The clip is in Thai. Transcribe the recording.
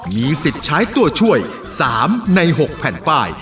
มีสิทธิ์ใช้ตัวช่วย๓ใน๖แผ่นป้าย